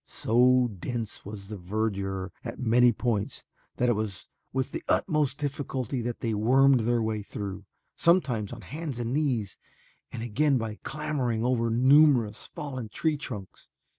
So dense was the verdure at many points that it was with the utmost difficulty they wormed their way through, sometimes on hands and knees and again by clambering over numerous fallen tree trunks.